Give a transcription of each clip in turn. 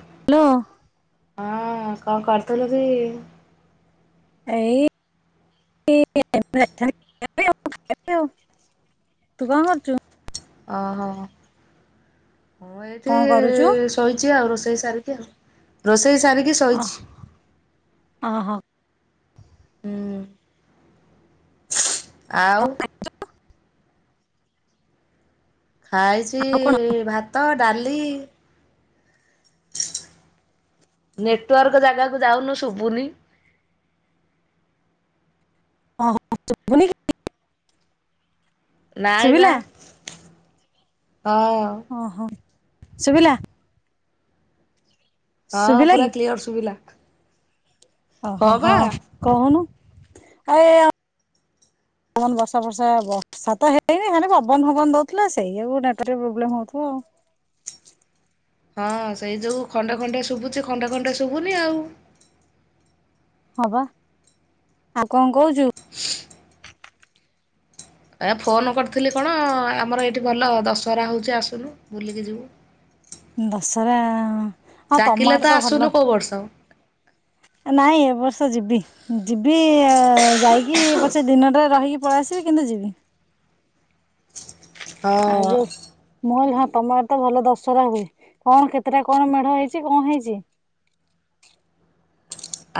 Hello ହଁ କଣ କରୁଥିଲୁ କି? ଏଇ ଆ [inaudible] ତୁ କଣ କରୁଛୁ ଅ ଓହୋଃ ହଁ ଏଇଠି କଣ କରୁଛୁ? ଶୋଇଛି ଆଉ ରୋ ରୋଷେଇ ସାରିକି ଆଉ ରୋଷେଇ ସାରିକି ଶୋଇଛି। ଓହୋ ହୁଁ ଆଉ ଖାଇଛି କଣ ଭାତ ଡାଲି ନେଟୱାର୍କ ଜାଗାକୁ ଯାଉନୁ ଶୁଭୁନି। ଅ ଓ [inaudible] ଶୁଭୁନି ନାଇଁବା ଶୁଭିଲା ହଁ ସୁବିଲା ହଁ ପୁରା କ୍ଲିଅର ସୁବିଲା। ହଁ ହଁ କହୁନୁ ଆଉ ଏ ବର୍ଷା ବର୍ଷା ବର୍ଷା ତ ହେଇନି ହେ ପବନ ଫବନ ଦଉଥିଲା ସେଇଆ ଡାଟା ଟିକେ ପ୍ରୋବ୍ଲେମ୍ ହଉଥିବ ଆଉ ହଁ ସେଇ ଯୋଉ ଖଣ୍ଡେ ଖଣ୍ଡେ ଶୁଭୁଛି ଖଣ୍ଡେ ଖଣ୍ଡେ ଶୁଭୁନି ଆଉ ହବା ଆଉ କଣ କହୁଛୁ ଏ ଫୋନ୍ କରିଥିଲି କଣ ଆମର ଏଇଠି ଭଲ ଦଶହରା ହେଉଛି ଆସୁନୁ ବୁଲିକି ଯିବୁ। ଦଶରା ହଁ ତମ ଡାକିଲେ ଆଡେ ତ ଆସୁନୁ ଭଲ କୋଉ ବର୍ଷ ନାଇଁ ଏର୍ଷ ତ ଯିବି ଯିବି ଯାଇକି ପଛେ ଦିନଟା ରହିକି ପଳେଇ ଆସିବି କିନ୍ତୁ ଯିବି। ଆଉ ହଁ ଯୋଉ ମହଲ ତମର ତ ଭଲ ଦଶହରା ହୁଏ କଣ କେତେଟା କଣ ମେଢ ହେଇଛି କଣ ହେଇଛି।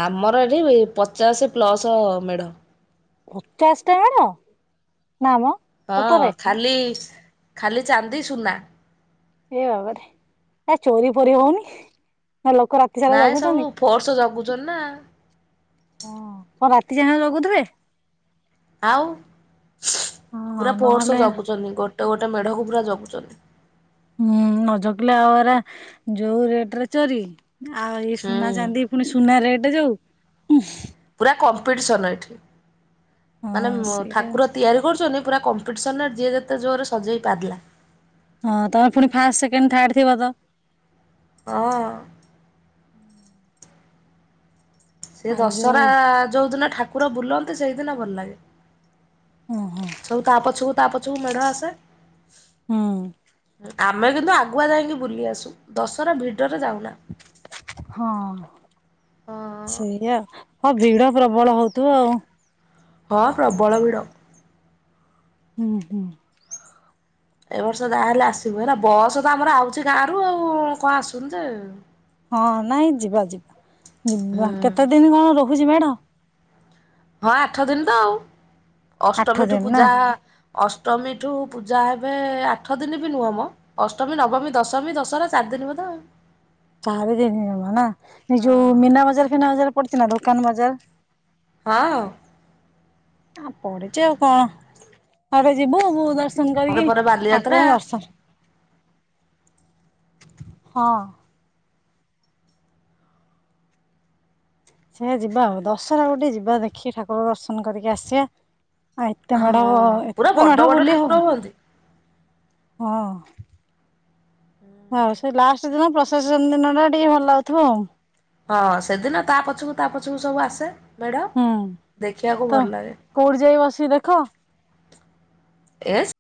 ଆମର ଏଠି ପଚାଶ ପ୍ଲସ ମେଢ। ପଚାଶ ଟା ମେଢ଼। ହଁ ଖାଲି ଖାଲି ଚାନ୍ଦି ସୁନା। ଏ ବାବାରେ ଆ ଚୋରି ଫୋରି ହଉନି। ନା ଲୋକ ରାତି ସାରା ନାଇଁ ଜଗୁଛନ୍ତି। ସବୁ ଫୋର୍ସ ଜଗୁଛନ୍ତି ନା। ହଁ କଣ ରାତି ଯା ଲଗୁଥିବେ। ଆଉ ହଁ ପୁରା ପୋର୍ସ ନହେଲେ ଜବୁଛନ୍ତି ଗୋଟେ ଗୋଟେ ଗୋଟେ ମେଢ଼କୁ ପୁରା ଜଗୁଛନ୍ତି। ହୁଁ ନଜଗିଲେ ଆଉଏରା ଯୋଉ ରେଟରେ ଚୋରି। ଆଉ ଇ ସୁନା ହୁଁ ଚାନ୍ଦି ପୁଣି ସୁନା ରେଟ ଟ ଯାଉ ଉ ପୁରା କମ୍ପିଟିସନ ଏଠି ମାନେ ହଁ ସେଇଆ ଠାକୁର ତିଆରି କରୁଛନ୍ତି। ପୁରା କମ୍ପିଟିସନ୍ରରେ ଯିଏ ଯେତେ ଜୋରରେ ସଜେଇ ପାରିଲା ହଁ ତମେ ପୁଣି ଫାଷ୍ଟ ସେକେଣ୍ଡ ଥାର୍ଡ ଥିବ ତ ହଁ ସେ ଆଉ ଯୋଉ ଦଶହରା ଯୋଉ ଦିନ ଠାକୁର ବୁଲନ୍ତି ତ ସେଇଦ ନା ବଲ ଲାଗେ। ଓହୋ ସବୁ ତାପଛୁ ତା ପଛକୁ ମେଢ଼ ଆସେ ହୁଁ ଆମେ କିନ୍ତୁ ଆ ଆଗୁଆ ଯାଇକି ବୁଲି ଆସୁ ଦଶର ଭି ହଁ ହଁ ସେଇଆ ହଁ ଭିଡ ପ୍ରବଳ ହଉଥିବ ଆଉ ହଁ ପ୍ରବଳ ଭିଡ଼ ହୁଁ ହୁଁ ଏ ବର୍ଷ ଯାହାହେଲେ ଆସିବୁ ହେଲା ବସ ତ ଆମର ଆଉଛି ଗାଁ ରରୁ ଆଉ କଣ ଆସୁନିଜେ ହଁ ନାଇଁ ଯିବା ଯିବା ହୁଁ ଯିବା କେତେ ଦିନ କଣ ରହୁଛି ମେଢ଼ ହଁ ଆଠ ଦିନ ତ ଆଉ ଆଠ ଅଷ୍ଟମୀ ଠୁ ଦିନ ନା ପୂଜା ଅଷ୍ଟ ଅଷ୍ଟମୀଠୁ ପୂଜା ହେବେ ଆଠ ଦିନ ବି ନୁହଁ ଅଷ୍ଟମୀ ନବମୀ ଦଶମୀ ଦଶହରା ଚାରି ଦିନ ବୋଧ ଆଉ ସାର ଜିନ ଜମା ନା ଏଇ ଯୋଉ ମୀନା ବଜାର ଫିନା ବଜାର ପଡିଥିଲା ନା [inaudible] ହଁ ଆ ପଢିଛ ଆଉ କଣ ଆବେ ଯିବୁ ବ ଦର୍ଶ ଦର୍ଶନ ପରେ କରିକି ପରେ ବାଲିଯାତ୍ରା ଠାକୁରଙ୍କୁ ଦର୍ଶନ ହଁ ସେ ଯିବା ଆଉ ଦଶହରା ଗୋଟେ ଯିବା ଦେଖି ଠାକୁର ଦର୍ଶନ କରିକି ଆସିବା। ଆ ଏତେ ମେଢ଼ ହଁ ପୁରା ଏତେ ତ ବଡ଼ ମେଢ ବଡ଼ ବୁଲି ଠାକୁର ହବ। ହୁଅନ୍ତି। ହଁ ହଁ ସେ ଲାଷ୍ଟ ଦିନ ପ୍ରସାସନ ଦିନ ଟା ଟିକେ ଭଲ ଲାଗୁଥିବ ଆଉ। ହଁ ସେଦିନ ତା ପଛକୁ ତା ପଛକୁ ସବୁ ଆସେ ମେଢ଼। ହୁଁ ଦେଖିବାକୁ ତ ଭଲ କୋଉଠି ଯାଇ ବସିକି ଦେଖ ଏସ୍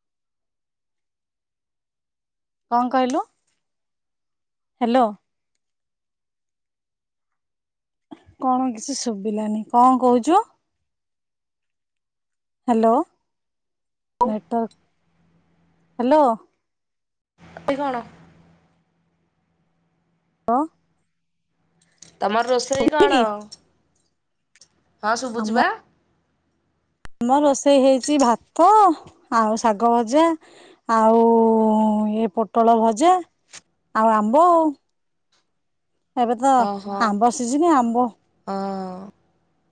କଣ କହିଲୁ ହ୍ୟାଲୋ କଣ କିଛି ଶୁଭିଲାନି କଣ କହୁଛୁ ହ୍ୟାଲୋ ନେଟୱାର୍କ ହ୍ୟାଲୋ। [unintelligible] କଣ? ହଁ। ତମର ରୋଷେଇ କି କଣ? ହଁ ଆମ ଶୁଭୁଛି ବା। ଆମ ରୋଷେଇ ହେଇଛି ଭାତ ଆଉ ଶାଗ ଭଜା ଆଉ ଇ ପୋଟଳ ଭଜା ଆଉ ଆମ୍ବ ଆଉ। ଏବେ ତ ଓହୋ ଆମ୍ବ ସିଜିନି ଆମ୍ବ ହଁ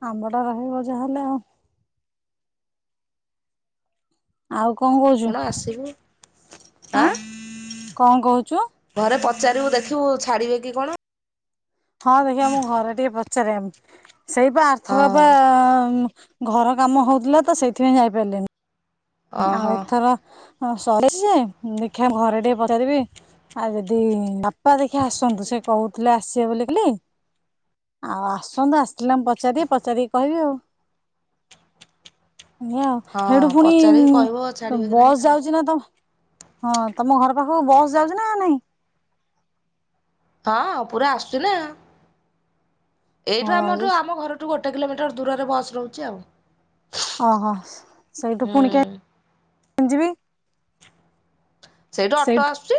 ଆମ୍ବ ଟା ରହିବ ଯାହାହେଲେ ଆଉ। ଆଉ କ କଣ କହୁଛୁ ହଁ ଆଁ କଣ କହୁଛୁ? ଘରେ ପଚାରିବୁ ଦେଖିବୁ ଛାଡିବେ କି କଣ? ହଁ ଦେଖିବା ମୁଁ ଘରେ ଟିକେ ପଚାରିବା ଏମତି? ସେଇ ବା ଆର୍ଥର ବା ହଁ ଆ ଘର କାମ ହଉଥିଲା ତ ସେଇଥିପାଇଁ ଯାଇପାରିଲିନି। ଆଉ ଓହୋ ଏଥର ହଁ ସରି ଯେ ଦେଖିବା ଘରେ ଟିକେ ପଚାରିବି ଆଉ ଯଦି ବାପା ଦେଖିବା ଆସନ୍ତୁ ସେ କହୁଥିଲେ ଆସିବେ ବୋଲି ଆଉ ଆସନ୍ତୁ ଆସିଥିଲା ମୁ ପଚାରକି ପଚାରି କହିବି ଆଉ। ହଁ ହେଇତୁ ହଁ ପୁଣି। ପଚାରିକି କହିବ କିଂ ଛାଡିବେ କି ନାଇଁ ବସ୍ ଆଉ ଯାଉଛି ନା ତମ ହଁ ତମ ଘର ପାଖକୁ ବସ୍ ଯାଉଛି ନା ନାଇଁ। ହଁ ପୁରା ଆସୁଛି ନା। ଏଇଠୁ ହଁ ଆମଠୁ ଆମ ଘରଠୁ ଗୋଟେ ଆଠ କିଲୋମିଟର ଦୂରରେ ବସ୍ ରହୁଛି ଆଉ। ଓହୋ ସେଇଠୁ ପୁଣିି କେ ହୁଁ ଯିବି? ସେଇଠୁ ଅଟୋ ଆସୁଛି।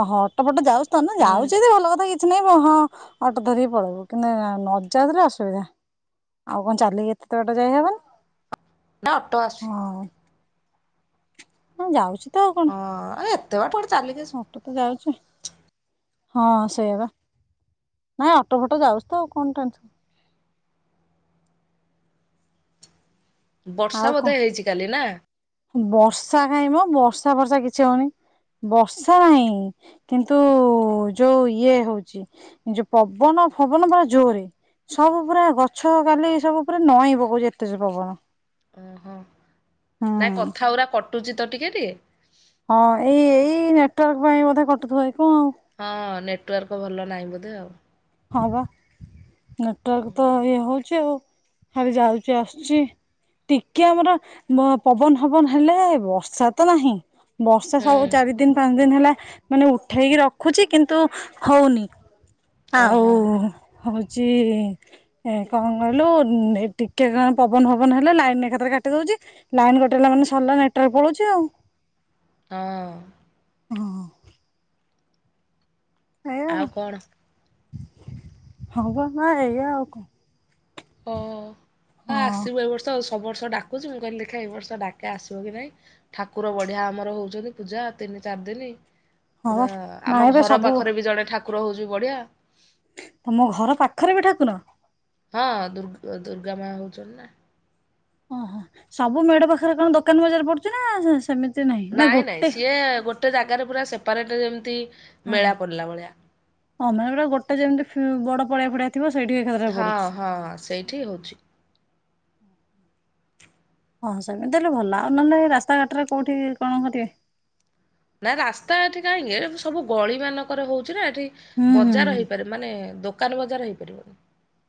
ଓହୋ ଅଟୋପଟ ଯାଉ ତନ ହୁଁ ଯାଉଛେ ଭଲ କଥା କି କିଛି ନାଇଁ ହଁ ଅଟୋ ଧରିକି ପଳେଇବୁ କିନ୍ତୁ ନ ଯାଲେ ଅସୁବିଧା ଆଉ କଣ ଚାଲିକି ଏତେତ ବାଟ ଯାଇହବନି। ନା ଅଟୋ ଆସୁଛି। ହଁ ଯାଉଛି। ତ ଆଉ କଣ ହଁ ଆଉ ଏତେ ବାଟ ଚାଲିକି ଆସି ଅଟୋ ତ ଯାଉଛି ହଁ ସେ ବା ନାଇଁ ଅଟୋ ଫଟୋ ଯାଉଛି ତ ଆଉ କଣ ଟେ ବର୍ଷା ଆଉ କଣ ବୋଧେ ହେଇଛି କାଲି ନା। ବର୍ଷା କାଇଁ ମ ବର୍ଷା ଫର୍ଷା କିଛି ହଉନି ବର୍ଷା ନାହିଁ କିନ୍ତୁ ଯୋଉ ଇଏ ହଉଛି ଯୋଉ ପବନ ଫବନ ପରା ଜୋରେ ସବୁ ପୁରା ଗଛ କାଲି ସବୁ ପା ନଈଁ ପକଉଛି ଏତେ ଜୋରେ ପବନ। ଓ ହୋ। ନାଇଁ ହୁଁ। କଥା ଗୁରା କଟୁଚି ତ ଟିକେ ଟିକେ ହଁ ଏଇ ଏଇ ନେଟୱାର୍କ ପାଇଁ ମଧ୍ୟ କଟୁଥିବଏ। ହଁ ନେଟ ନେଟୱାର୍କ ଭଲ ନାହିଁ ବୋଧେ ଆଉ। ହଁ ବା ନେଟୱର୍କ ତ ହୁଁ ଇଏ ହଉଛି ଆଉ। ଖାଲି ଯାଉଛି ଆସୁଛି ଟିକେ ଆମର ପବନ ଫବନ ହେଲେ ବର୍ଷା ତ ନାହିଁ। ବର୍ଷା ହୁଁ ସବୁ ଚାରି ଦିନ ପା ଦିନ ହେଲା ମାନେ ଉଠେଇକି ରଖୁଛି କିନ୍ତୁ ହଉନି। ଆଉ ଓହୋ ହଉଛି ଏ କଣ କହିଲୁ ଟିକେ କ ପବନ ପବନ ହେଲା ଲାଇନ ଏକଥରେ କାଟି ଦଉଛି। ଲାଇନ କଟେଇଲା ମାନେ ସରିଲା ନେଟରେ ପଳଉଛି ଆଉ। ହଁ। ଆଉ କଣ? ହବ ବା ନା ଏଆ ଆ କ ଓ ଆସିବୁ ଏ ବର୍ଷ ସବୁ ବର୍ଷ ଡାକୁଛି ମୁଁ କହିଲି ଦେଖା ଏଇ ବର୍ଷ ଡାକେ ଆସିବ କି ନାହିଁ ଠାକୁର ବଢିଆ ଆମର ହଉଛନ୍ତି ପୂଜା ତିନି ଚାରି ଦିନି ହଁ ବା ପୁରା ଆମ ନାଇଁ ବା ଘର ସବୁ ପାଖରେ ବି ଜଣେ ଠାକୁ ଠାକୁର ହଉଛି ବଢିଆ। ଘରେ ବି ଠାକୁର। ହଁ ଦୁର୍ଗା ଦୁର୍ଗା ମା ହଉଛନ୍ତି ନା। ଓହୋ ସବୁ ମେଢ ପାଖରେ କଣ ଦୋକାନ ବଜାର ପଡୁଛି ନା ସେମିତି ନାହିଁ ନା ନାଇଁ ନାଇଁ ଗୋଟେ ସିଏ ଗୋଟେ ଜାଗାରେ ପୁରା ସେ ସେପାରେଟ ଯେମିତି ଓହୋ ମେଳା ପଡ଼ିଲା ଭଳିଆ। [inaudible] ଗୋଟେ ଯେମତି ବଡ ପଡିଆ ଫଡିଆ ଥିବ ସେଇଠି ଏକାଥରେ ହଁ ପଡୁଛି। ହଁ ସେଇଠି ହଉଛି। ହଁ ସେମିତି ହେଲେ ଭଲ ଆଉ ନହେଲେ ରାସ୍ତାଘାଟରେ କୋଉଠି କଣ କରିବେ? ନା ରାସ୍ତା ଏଠି କାହିଁକି ସବୁ ଗଳି ମାନଙ୍କରେ ହଉଛି। ଏଠି ହୁଁ ହୁଁ ବଜାର ହେଇପାର ମାନେଦୋ ଦୋକାନ ବଜାର ହେଇପାରିବନି।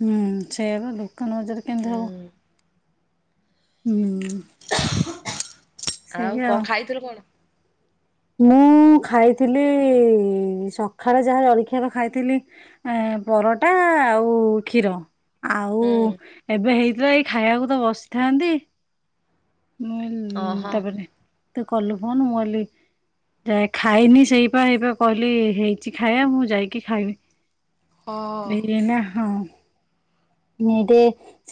ହୁଁ ସେଇଆ ପା ଲୋକ ବଜାର କେମିତି ହବ। ହୁଁ ହୁଁ। ଆଉ ସେଇଆ କଣ ଆଉ। ଖାଇଥିଲୁ କଣ? ମୁଁ ଖାଇଥିଲି ସକାଳେ ଯାହା ଜଳଖିଆ ଖାଇଥିଲି ଏ ପରଟା ଆଉ କ୍ଷୀର। ଆଉ ହୁଁ ଏବେ ହେଇ ଏବେ ଏଇ ଖାଇବାକୁ ତ ବସିଥାନ୍ତି। ମୁଁ କହିଲି ଓହୋ। ତାପରେ ତୁ କଲୁ ଫୋନ ମୁଁ କହିଲି ଯାଏ ଖାଇନି ସେଇପା ଏଇପା କହିଲି ହେଇଛି ଖାଇବା ମୁଁ ଯାଇକି ହଁ। ଖାଇବି। ଏଇନା ହଁ। ଏଇଟି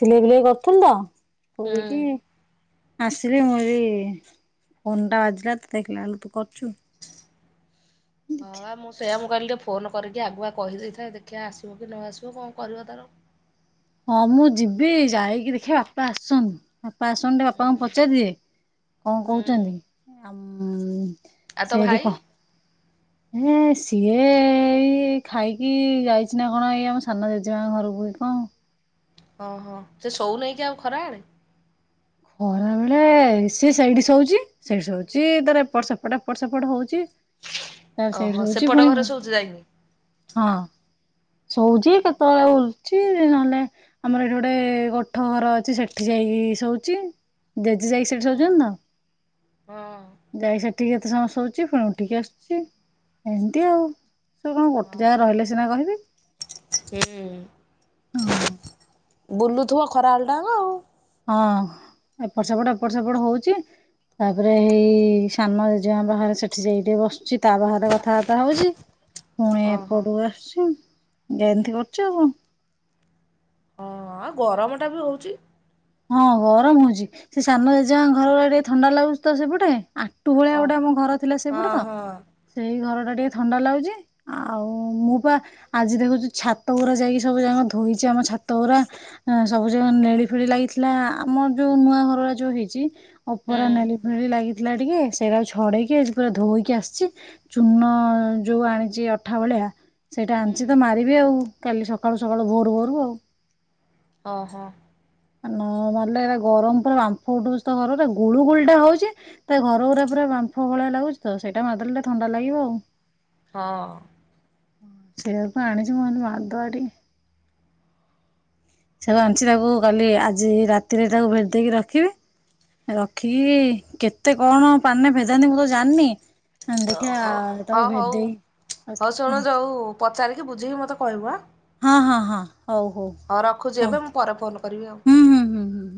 ସିଲେଇ ଫିଲେଇ କରୁଥିଲି ତ। କରି ହୁଁ। କିି। ଆସିଲି ମୁଁ କହିଲି ଫୋନ ଟା ବାଜିଲା ତୁ ଦେଖିଲା ଆଳକୁ ତୁ କରିଚୁ। ହଁ ମୁଁ ସେଇଆ ମୁଁ କହିଲି ଫୋନ କରିକି ଆଗୁଆ କହିଦେଇଥାଏ ଦେଖିବା ଆସିବ କି ନ ଆସିବ କଣ କରିବ ତାର? ହଁ ମୁଁ ଯିବି ଯାଇକି ଦେଖିଆ ବାପା ଆସନ୍ତୁ। ବାପା ଆସନ୍ତୁ ଟିକେ ହୁଁ ବାପାଙ୍କୁ ପଚାରିଦିଏ କଣ ହୁଁ କହୁଛନ୍ତି? ଆମ୍। ଆଉ ତୋ ଭାଇ? ଏ ସିଏ ଏଇ ଖାଇକି ଯାଇଛି ନା କଣ ଏଇ ଆମ ସାନ ଜେଜେମାଙ୍କ ଘରକୁ କି କଣ? ଓହୋ ସେ ସୋଉ ନିକି ଆଉ ଖରା ବେଳେ। ଖରା ବେଳେ ସିଏ ସେଇଠି ଶୋଉଛି ସେଇଠି ଶଉଛି ତାର ଏପଟ ସେପଟ ଏପଟ ସେପଟ ହଉଛି। ତାର ସେଇଠି ଓହୋ ଶୋଉଛି ସେପଟ ପୁଣି ଘରେ ଶୋଉଛି ଯାଇକି। ହଁ। ଶୋଉଛି କେତେବେଳେ ଆଉ ଶୋଉଚି ନହେଲେ ଆମର ଏଠି ଗୋଟେ ଗୋଠ ଘର ଅଛି ସେଠି ଯାଇକି ଶୋଉ ଇଚି‌ ଦେଜ୍ ଯାଇକି ସେଠି ଓହୋ ଶୋଉଛନ୍ତି ହଁ ତ। ଏଠି କେତେ ସମୟ ଶୋଉଚି ପୁଣି ଉଠିକି ଆସୁଛି ଏମିତି ଆଉ। ସେ କଣ ଗୋଟେ ଜାଗା ଓହୋ ରହିଲେ ସିନା କହିବି ହୁଁ। ହଁ। ବୁଲୁଥିବ ଖରା ଆଳ ଟାଙ୍କ ଆଉ। ହଁ ଏପଟ ସେପଟ ଏପଟ ସେପଟ ହଉଛି ତାପରେ ହେଇ ସାନ ଜେଜେମା ବାହାରେ ସେଠି ଯାଇକି ବସୁଛି। ତା ବାହାରେ କଥାବାର୍ତ୍ତା ହଉଛି ପୁଣି ଓହୋ ହଁ ଏପଟକୁ ଆସୁଛି। ଏନ୍ତି କରୁଚି ଆଉ କଣ? ହଁ ଆଉ ଗରମ ଟା ବି ହଉଛି। ହଁ ଗରମ ହଉଛି ସେ ସାନ ଜେଜେମାଙ୍କ ଘର ଅରା ଟିକେ ଥଣ୍ଡା ଲାଗୁଛି ତ ସେପଟେ। ଆଟୁ ଭଳିଆ ଓ ଗୋଟେ ଆମ ଘର ଥିଲା ସେପଟେ ହଁ ତ ହଁ ସେଇ ଘର ଏବେ ଟିକେ ଥଣ୍ଡା ଲାଗୁଛି ଆଉ ମୁଁ ପା ଆଜି ଦେଖୁଛି ଛାତ ଗୁରା ଯାଇକି ସବୁଯାକ ଧୋଇଛି ଆମ ଛାତ ଗୁରା ସବୁଯାକ ନେଳି ଫେଳି ଲାଗି ନା ଆମର ଯୋଉ ନୂଆ ଘରଗୁରା ଯୋଉ ହେଇଛି ହୁଁ ଉପର ନେଳି ଫେଳି ଲାଗି ଥିଲା ଟିକେ ସେଇଟାକୁ ଛଡେଇକି ଆଜି ପୁରା ଧୋଇକି ଆସିଛି ଚୂନ ଯୋଉ ଆଣିଛି ଅଠା ଭଳିଆ ସେଇଟା ଆଣିଛି ହୁଁ ତ ମାରିବି ଆଉ। କାଲି ସକାଳୁ ସକାଳୁ ଭୋରୁ ଭୋରୁ ଆଉ। ଓ ହୋ। ନ ମାରିଲେ ଏଗୁରା ଗରମ ପୁରା ବାମ୍ଫ ଉଠଉଛି ତ ଘରଟାକୁ ଗୁଳୁ ଗୁଳି ଟା ହଉଛି ତ ଘରଗୁରା ପୁରା ବାମ୍ଫ ଭଳିଆ ଲାଗୁଛି ତ ସେଇଟା ମାରିଦେଲ ଟିକେ ଥଣ୍ଡା ଲାଗିବ ଆଉ। ହଁ। ହଁ ସେଇଆକୁ ଆଣିଛି ମୁଁ କହିଲି ମାରିଦବା ଟିକେ। ସବୁ ଆଣିଛି ତାକୁ କାଲି ଆଜି ରାତିରେ ତାକୁ ଭେଦେଇକି ରଖିବି ରଖିକି କେତେ କଣ ପାନେ ଭେ ମୁଁ କଣ ଜାଣିନି ଓହୋ ଦେଖିବା ହଁ ତାକୁ ହଉ ଭେଦେଇ ହଉ ଶୁଣୁ ର ଯୋଉ ପଚାରିକି ବୁଝିକି ମୋତେ କହିବ ଆଁ ହଁ ହଁ ହଁ। ହଉ ହଉ ରଖୁଛି ହଉ ଏବେ ମୁଁ ପରେ ଫୋନ କରିବି ଆଉ। ହୁଁ ହୁଁ ହୁଁ। ହୁଁ